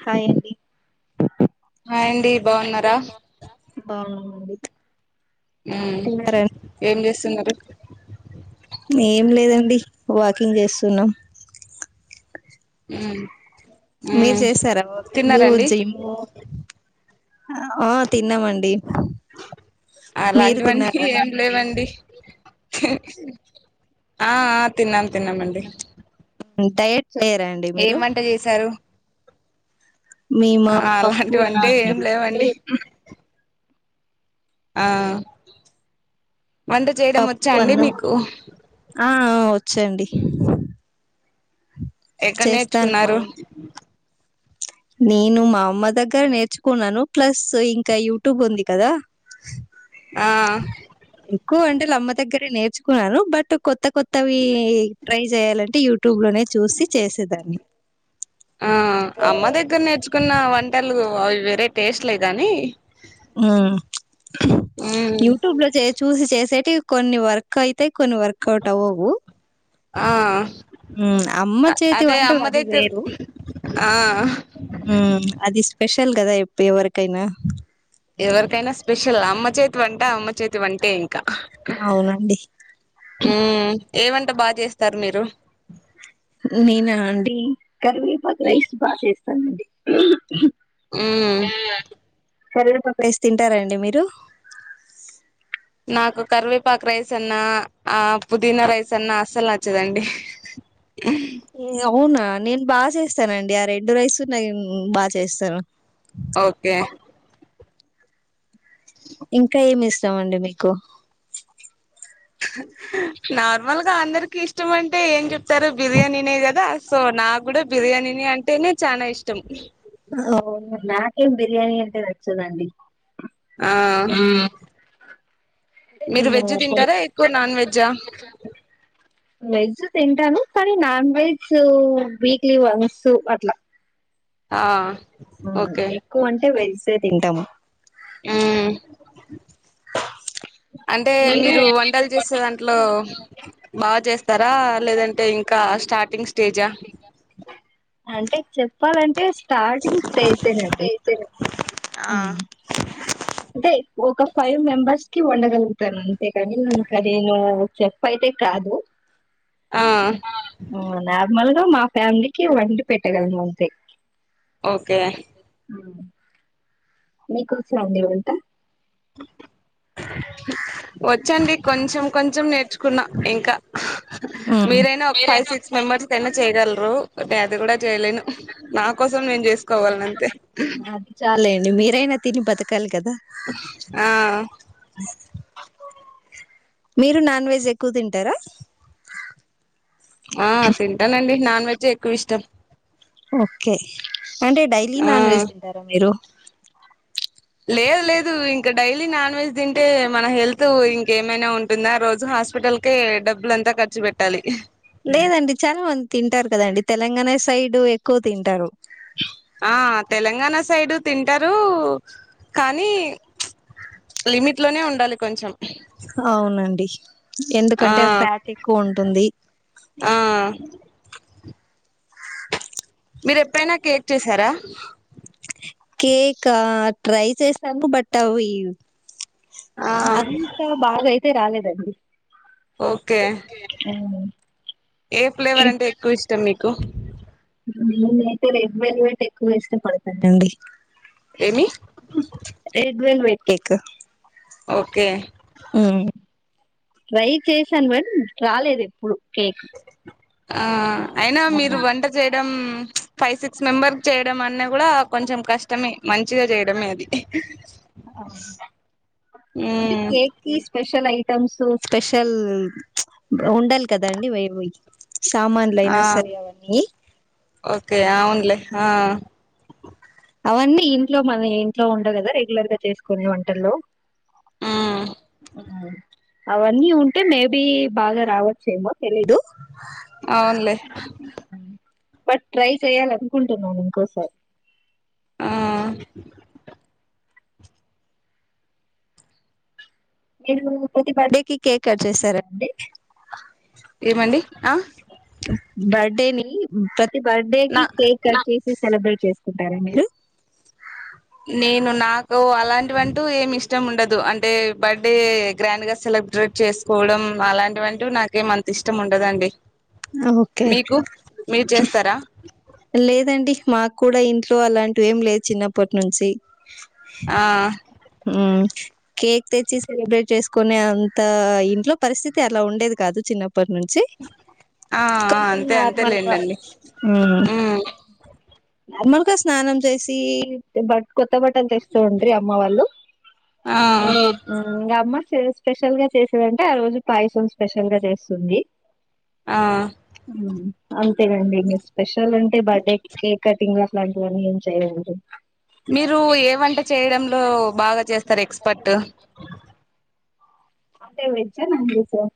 Hi అండి hi అండి బాగున్నారా బావుననండి ఉ ఏం చేస్తున్నారు ఏం లేదండి వాకింగ్ చేస్తున్నాం ఉ మీరు చేస్తారా వాకింగ్ జిమ్ ఆ తిన్నామండి మీరు అలాంటివన్నీ తిన్నారా ఏం లేవండి హూఉ ఆ ఆ తిన్నాం తిన్నామండి డైట్ చేయ్యరా అండి ఏం మీరు వంట చేశారు మీ మా ఆ పప్పు అలాంటివంటే ఏం అలాంటివి ఉంటే లేవండి ఆ వంట చేయడం పప్పు వచ్చా అండి అన్నం మీకు ఆ వచ్చండి ఎక్కడ చేస్తాను మా నేర్చుకున్నారు ఇంట్లో నేను మా అమ్మ దగ్గర నేర్చుకున్నాను ప్లస్ ఇంకా యూట్యూబ్ ఉంది కదా ఆ ఎక్కువ అంటే లమ్మ దగ్గరే నేర్చుకున్నాను బట్ కొత కొత్త కొత్తవి ట్రై చేయాలంటే యూట్యూబ్ లోనే చూసి చేసేదాన్ని ఆ అమ్మ దగ్గర నేర్చుకున్న వంటలు అవి వేరే టేస్ట్లే కాని హ మ్మ్ యూట్యూబ్ లో చేసి చేసేటివి కొన్ని వర్క్ అయి అయితే కొన్ని వర్కౌట్ అవవు ఆ అమ్మ చేతి అదే వంట అమ్మ అది దగ్గర వేరు ఆ హు అది స్పెషల్ కదా చెప్పు ఎవరికైనా ఎవరికైనా స్పెషల్ అమ్మ చేతి వంట అమ్మ చేతి వంటే ఇం కా అవునండి హు ఏమని బాగా చేస్తారు మీరు నేనా అండి కరివేపాకు రైస్ బాగా చేస్తానండి హు పెరుగు పప్పు రైస్ తింటారాండి మీరు నాకు కరివేపాక రైస్ అన్నా ఆ పుదీనా రైస్ అన్నా అస్సలు నచ్చదండి ఏ అవునా నేను బాగా చేస్తానండి ఆ రెండు రైస్ నేను బాగా చేస్తాను ఓకే ఇంకా ఏమి ఇస్తామండి మీకు నార్మల్గా అందరికి ఇష్టం అంటే ఏం చెప్తారు బిర్యానీనే కదా సో నా కూడా బిర్యానీని అంటేనే చానా ఇష్టం అవునా నాకేం బిర్యానీ అంటే నచ్చదండి ఆ అంటే మీరు నేను వెజ్ తింటారా ఎక్కువ నాన్ వెజ్జా [inaudible] వెజ్ తింటాను కానీ నాన్ వెజ్ వీక్లీ వన్స్ అట్లా ఆహ ఎక్కువ అంటే వెన్స్ డే తింటాము ఆహ అంటే మీరు వంటలు చేసే దాంట్లో బాగా చేస్తారా లేదంటే ఇంకా స్టార్టింగ్ స్టేజా అంటే చెప్పాలంటే స్టార్టింగ్ స్టేజేనండి ఆ అంటే ఒక ఫైవ్ మెంబర్స్ కి ఉండగలుగుతాను అంతేగాని నేను [inaudible] షెఫ్ అయితే కాదు ఆ నార్మల్ మా ఫ్యామిలీకి వండి పెట్టగలలను అంతే ఓకే మీకు వచ్చా అండి వంట వచ్చండి కొంచెం కొంచెం నేర్చు కున్నా ఇంకా మీరైనా ఒక ఫైవ్ సిక్స్ మెంబర్స్ కి అయిన చేయగలరు పెద్ద అది కూడా చేయలేను నా కోసం నేను చేసుకోగలను అంతే ని మీరైనా తిని బతకాలి కదా ఆ మీరు నాన్ వెజ్ ఎక్కువ తింటారా ఆ తింటానండి నాన్ వెజే ఎక్కువ ఇష్టం ఓకే అంటే డైలీ ఆ నాన్ వెజ్ తింటారా మీరు లేదు లేదు ఇంక డైలీ నాన్ వెజ్ తింటే మన హెల్త్ ఇంకేమైనా ఉంటుందా రోజు. హాస్పిటల్ కే డబ్బులంతా ఖర్చు పెట్టాలి. లేదండి చాలా మంది తింటారు కదండి తెలంగాణ సైడ్ ఎక్కువ తింటారు. ఆహ్ తెలంగాణ సైడు తింటారు కానీ ప్చ్. లిమిట్ లోనే ఉండాలి కొంచెం. అవునండి ఆ ఎందుకంటే ఫ్యాట్ ఎక్కువ ఉంటుంది. ఆ మీరు ఎప్పుడైనా కేక్ చేసారా. కేకా ట్రై చేశాను బట్ అవి. ఆ అంతా బాగా అయితే రాలేదండి. ఓకే ఆ, ఏ ఫ్లేవర్ అంటే ఎక్కువ ఇష్టం మీకు. నేను అయితే రెడ్ వెల్ వెయిట్ ఎక్కువ ఇష్టపడతానండి. ఏమి red velvet cake. Okay. Try చేశాను [unintelligible] రాలేదు ఎప్పుడు కేక్. ఆహ్ అయినా మీరు వంట చేయడం ప్చ్ స్పైసీ. మెంబర్క్ చేయడం అన్న కూడా కొంచెం కష్టమే. మంచిగా చేయడమే ఇది అంటే ఉమ్. కేక్ కి స్పెషల్ ఐటమ్స్ స్పెషల్ ప్చ్ ఉండాలి కదండి వైవి. ఆహ్ ఓకే అవునులే ఆహ్. అవన్నీ ఇంట్లో మన ఇంట్లో ఉండకదా రెగ్యులర్ గా చేసుకోనే వంటల్లో. ఉమ్ ఉమ్. అవన్నీ ఉంటే మేబి బాగా రావచ్చేమో తెలీదు. అవునులే. బట్ ట్రై చెయాలనుకుంటున్నాను ఇంకోసారి. ఆహ్. మీరు ప్రతి బర్త్ డే కి కేక్ కట్ చేస్తారండి. ఏమండి ఆహ్. బర్త్డే ని ప్రతి బర్త్డే కి నా కేక్ కట్ చేసి సెలబ్రేట్ చేస్. కుంటారా మీరు. నేను నాకు అలాంటివంటూ ఏమి ఇష్ట్. ఇష్టం ఉండదు అంటే బర్త్డే గ్రాండ్ గా సెలబ్రేట్ చేసుకోవడం అలాంటివంటూ నాకేం మంత. ఇష్టం ఉండదండి. ఓకే మీకు మీరు చేస్తారా. లేదండి మాకు కూడా ఇంట్లో అలాంటి ఏం లేదు చిన్నప్పటి నుంచి. ఆ ఉమ్. కేక్ తెచ్చి సెలబ్రేట్ చేసుకోనే అంత ఇంట్లో పరిస్థితి అలా ఉండేది కాదు చిన్నప్పు పటు నుంచి ఆ ఆ కొంచెం అంతే నార్మల్గా. అంతేలేండండి ఉమ్. తొందరగా స్నానం చేసి బట్ కోత్. కొత్త బట్టలు తెస్తుండ్రే అమ్మ వాళ్ళు ఆ ఇంకా అమ్మ. ఈరోజు స్పెషల్ గా చేసేదంటే ఆ రోజు పాయసం స్పెషల్ గా చేస్తుంది. ఆహ్. అంతే అండి ఇంక స్పెషల్ అంటే బర్త్డే కేక్ కటింగ్ అట్లాంటివన్నీ ఏం చెయనండి. మీరు ఏ వంట చేయడంలో బాగా చేస్తారు ఎక్స్పర్ట్. అంటే వెజ్జా నాన్ వెజ్ ఆ.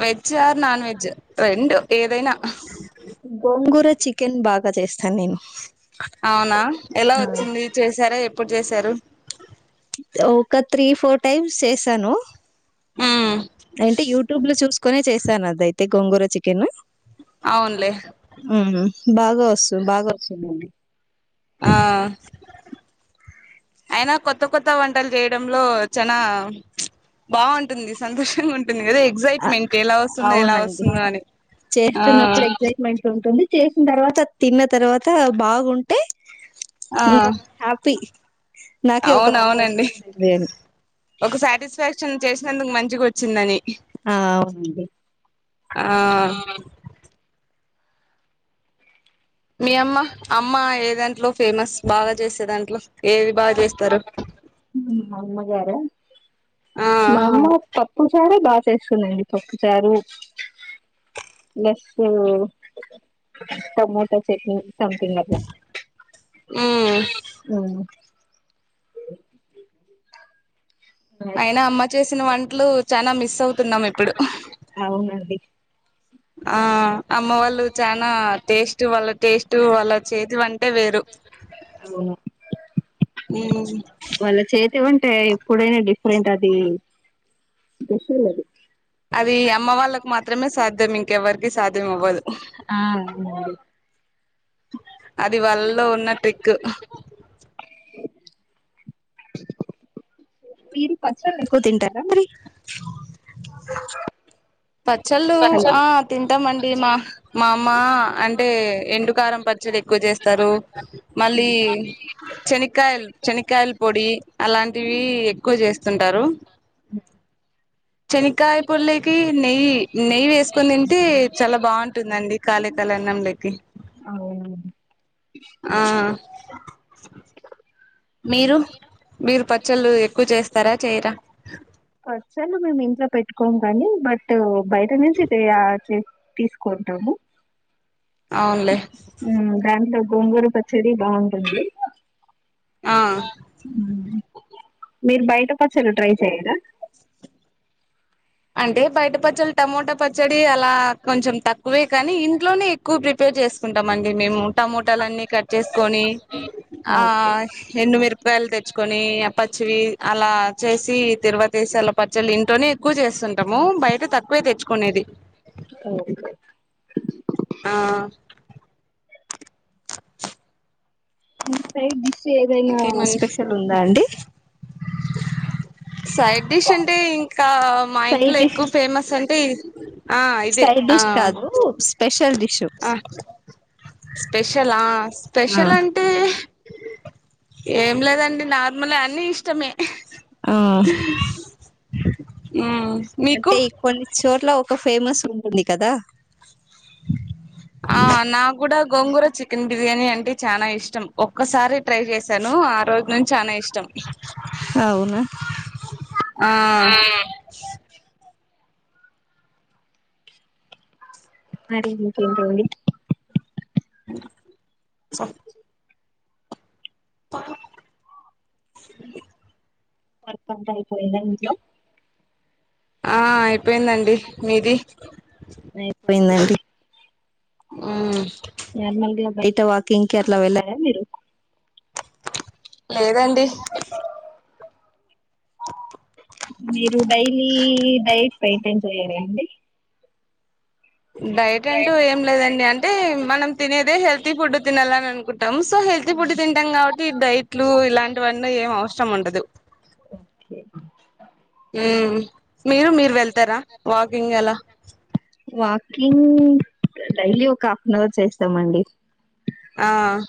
వెజ్ ఆర్ నాన్ వెజ్ రెండు ఏదైనా. గోంగూర చికెన్ బాగా చేస్తాను నేను. అవునా ఎలా ఆ, వచ్చింది చేసారా ఎప్పుడు చేసారు. ఒక త్రీ ఫోర్ టైమ్స్ చేసాను. ఉమ్ అంటే యూట్యూబ్ లో చూసుకోనే చేశాను. అదైతే గోంగూర చికెన్. అవున్లే ఉమ్, బాగా వస్తు బాగా వస్తుందండి ఆ [inaudible] అయినా కొత్త కొత్త వంటలు చేయడంలో చనా బాగుంటుంది సంతోషంగా ఉంటు ఉంటుంది కదా అ- ఎక్సైట్మెంట్ ఎలా వస్తుందో ఎలా అవునండి వస్తుందో అని ఆ చేస్తున్నప్పుడు ఎగ్సైట్మెంట్ ఉంటుంది చేసిన తర్వాత తిన్న తర్వాత బాగుంటే ఇంకా హ్యాపీ. నాకే ఒక అవును వంట అవునండి వచ్చేసింది అని ఒక సాటిస్ఫాక్షన్ చేసినందుకు మంచిగా వచ్చిందని ఆ ఉంది ఆ మీ అమ్మ అమ్మ ఏ దాంట్లో ఫేమస్ బాగా చేసే దాంట్లో ఏది బాగా చేస్తారు మా అమ్మగారా ఆ మా అమ్మ పప్పు చారే బాగా చేస్తుందండి పప్పు చారు లేస్సు టమోటా చట్నీ సమ్థింగ్ అట్ల ఉమ్ ఆ అ అయినా అమ్మ చేసిన వంటలు చనా మిస్ అవుతున్నాం ఇప్పుడు అవునండి ఆ అమ్మ వాళ్ళు చనా టేస్ట్ వాళ్ళ టేస్ట్ వాళ్ళ చేతి వంటే వేరు అవును నేనుజు వాళ్ళ చేతివంటే ఎప్పుడైనా డిఫరెంట్ అది టేస్ట్లది అది అమ్మ వాళ్ళకు మాత్రమే సాధ్యం ఇంకెవ్వరికి సాధ్యం అవ్వదు అవునండి అది వల్లలో ఉన్న ట్రిక్ మీరు పచ్చళ్ళు ఎక్కువ తింటారా మరి పచ్చళ్ళు హలో ఆ తింటాంమండి మా మా అమ్మ అంటే ఎండు కారం పచ్చడి ఎక్కువ చేస్తారు మళ్ళీ చనికాయలు చనీకాయలు పొడి అలాంటివి ఎక్కువ చేస్తుంటారు అ చనికాయ పోల్లోకి నెయ్యి నెయ్యి వేసుకొని తింటే చాలా బాగుంటుందండి కళే కాలని న్నం లోకి అవునండి ఆ మీరు మీరు ప చ్చలు ఎక్కువ చేస్తారా చేయరా పచ్చళ్ళు మేము ఇంట్లో పెట్టుకోం కానీ బట్ బయట నుంచి తేయా తీసుకో ఉంటాము అవునులే గోంగూర పచ్చడి బాగుంటుంది ఆ ఉమ్ మీరు బయట పచ్చళ్ళు ట్రై చెయరా అంటే బయట పచ్చళ్ళు టమోటా పచ్చడి అలా కొంచెం తక్కువే కానీ ఇంట్లోనే ఎక్కువ ప్రిపేర్ చేసుకుంటామండి మే మేము టమోటాలన్నీ కట్ చేస్కొని ఆ ఓకే ఎండు మీర్ప్ పకాయలు తెచ్చుకొని ఆ పచ్చివి అలా చేసి తిరువాతేసి అలా పచ్చళ్లు ఇంట్లోనే ఎక్కువ చేస్ తుంటము బయట తక్కువే తెచ్చుకునేది అవును ఆ మీ సైడ్ డిష్ ఏదైనా ఇంకేమన్ స్పెషల్ ఉందా అండి! సైడ్ డిష్ అంటే, ఇంకా మా ఇంట్లో సైడ్ డిష్ ఎక్కువ ఫేమస్ అంటే, ఆ ఇదే. సైడ్ ఆ డిష్ కాదు స్పెషల్ డిష్ ఆ స్పెషలా! ఆ స్పెషల్ అంటే! ఏం లేదండి. నార్మలే అన్ని ఇష్టమే. ఆ మ్మ్ మీకు అంటే, కొన్ని చోట్ల ఒక ఫేమస్ ఉంటుంది కదా! ఆ నాగ్గుడా గోంగూర చికెన్ బిర్యానీ అంటే చానా ఇష్టం. ఒక్కసారి ట్రై చేశాను ఆ రోజు నుంచి చాన ఇష్ టమ్ అవునా ఆ మరి ఇంకేంటండి? మ్ స ప వర్క్ అంతా అయిపోయిందా ఇంట్లో? ఆ అయిపోయిందండి. మీది? అయిపోయిందండి ఆమ్ నార్మల్గా బయట వాకింగ్ కి అట్ల వెళ్ళరా మీరు? లేదండి. పెయింటింగ్ చెయ్యారా అండి? డైట్ అంటూ ఏం లేదండి. అంటే, మనం తినేదే హెల్తీ ఫుడ్ తినల్లని అనుకుంటామ్. సో హెల్ మంచి ఫుడ్ తింటాం కాబట్టి, డైట్లు ఇలాంటివన్నీ ఏం అవసరం ఉండదు. ఓకె మ్ మీరు, మీరు వెళ్తారా వాకింగ్ అలా? వాకింగ్ డైలీ ఒక హాఫ్ అన్ అవర్ చేస్తామండి. ఆ